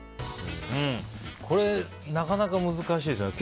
これ、なかなか難しいですよね。